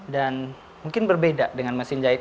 dan mungkin berbeda dengan mesin jahit